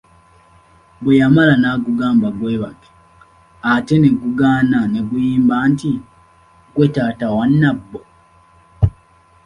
Bweyamala n'agugamba gwebake, ate ne gugaana ne guyimba nti, "gwe taata wa Nambo"